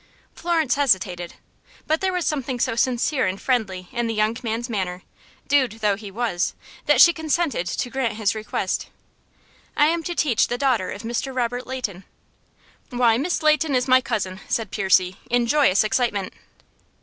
Florence hesitated, but there was something so sincere and friendly in the young man's manner dude though he was that she consented to grant his request. "I am to teach the daughter of Mr. Robert Leighton." "Why, Miss Leighton is my cousin," said Percy, in joyous excitement.